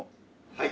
はい。